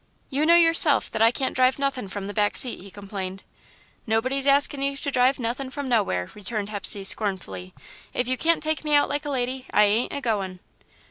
"You know yourself that I can't drive nothin' from the back seat," he complained. "Nobody's askin' you to drive nothin' from nowhere," returned Hepsey, scornfully. "If you can't take me out like a lady, I ain't a goin'."